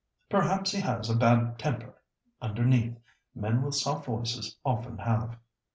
Perhaps he has a bad temper underneath. Men with soft voices often have."